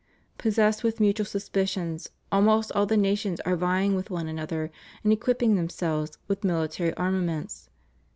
Possessed with mutual suspicions, almost all the nations are \'ying with one another in equipping theniiselves "with military armaments.